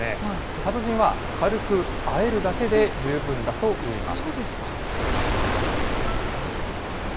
達人は軽くあえるだけで十分だといいます。